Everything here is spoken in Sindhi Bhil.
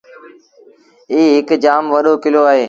ايٚ هَڪ جآم وڏو ڪلو اهي۔